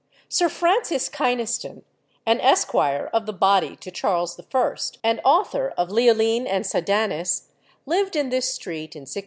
Sir Francis Kynaston, an esquire of the body to Charles I., and author of Leoline and Sydanis, lived in this street in 1637.